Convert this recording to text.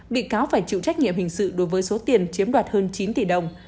bị cáo phải chịu trách nhiệm hình sự đối với số tiền chiếm đoạt hơn chín tỷ đồng